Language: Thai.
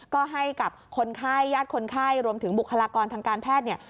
ก็ให้กับคนไข้ญาติคนไข้รวมถึงบุคลากรทางการแพทย์เนี่ย